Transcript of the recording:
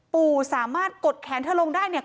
ปู่สามารถกดแขนเธอลงได้เนี่ย